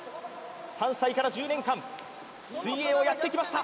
３歳から１０年間水泳をやってきました